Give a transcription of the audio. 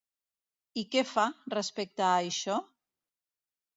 I què fa, respecte a això?